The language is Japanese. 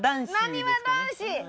なにわ男子！